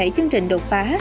bảy chương trình đột phá